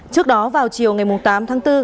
trước đó vào chiều ngày tám tháng bốn